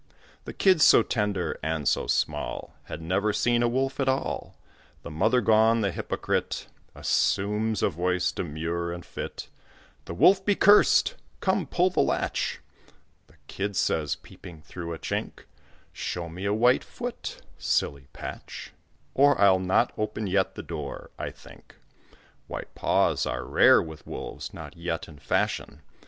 The Kid, so tender and so small, Had never seen a wolf at all. The mother gone, the hypocrite Assumes a voice demure and fit "The Wolf be cursed! come, pull the latch." The Kid says, peeping through a chink, "Show me a white foot" (silly patch), "Or I'll not open yet the door, I think." White paws are rare with wolves not yet in fashion.